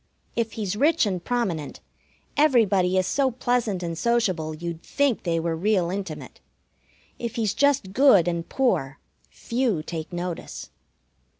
If he's rich and prominent, everybody is so pleasant and sociable you'd think they were real intimate. If he's just good and poor, few take notice.